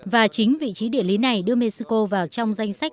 và chính vị trí địa lý này đưa mexico vào trong danh sách